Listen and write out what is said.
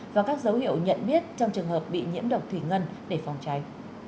và các dấu hiệu nhận biết trong trường hợp bị nhiễm độc thủy ngân để phòng cháy